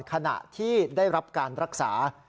ขณะที่ได้รับการรักษา